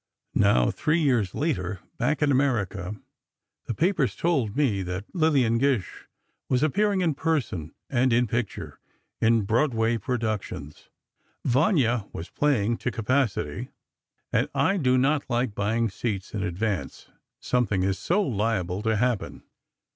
Now, three years later, back in America, the papers told me that Lillian Gish was appearing in person and in picture, in Broadway productions. "Vanya" was playing to capacity, and I do not like buying seats in advance—something is so liable to happen.